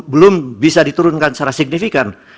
belum bisa diturunkan secara signifikan